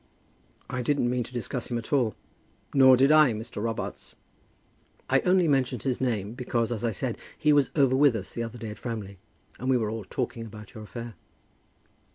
"I didn't mean to discuss him at all." "Nor did I, Mr. Robarts." "I only mentioned his name, because, as I said, he was over with us the other day at Framley, and we were all talking about your affair."